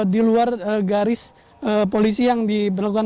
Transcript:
di luar garis polisi yang diberlakukan